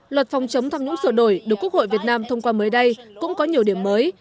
luật phòng chống tham nhũng sửa đổi được quốc hội việt nam thông qua mới đây cũng có nhiều điểm mới